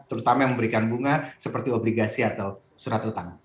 terutama yang memberikan bunga seperti obligasi atau surat utang